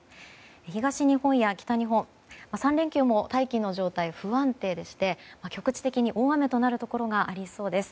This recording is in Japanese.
東日本や北日本３連休も大気の状態不安定でして局地的に大雨となるところがありそうです。